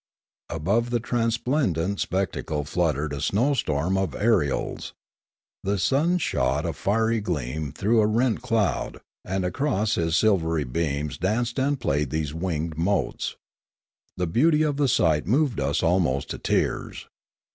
Above the transplendent spec tacle fluttered a snow storm of ariels; the sun shot a fiery gleam through a rent cloud, and across his silvery beams danced and played these winged motes. The beauty of the sight moved us almost to tears.